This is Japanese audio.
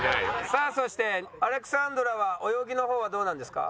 さあそしてアレクサンドラは泳ぎの方はどうなんですか？